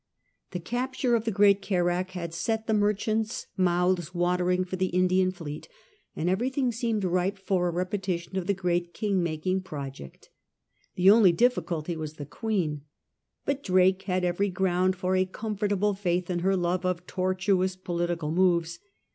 The capture of the great carack had set the merchants' mouths watering for the Indian fleet, and everything seemed ripe for a repetition of the great king making project. The only difficulty was the Queen, But Drake had every ground for a comfortable faith in her love of tortuous political moves.